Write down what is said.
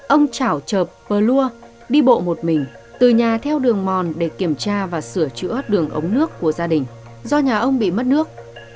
ông trảo trợp pờ lùa đi bộ một mình từ nhà theo đường mòn để kiểm tra và sửa chữa đường ống nước của gia đình do nhà ông bị mất nước